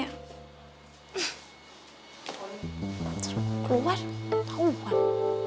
aku luar thau buar